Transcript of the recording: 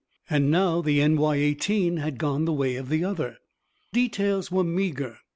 And now the NY 18 had gone the way of the other! Details were meager.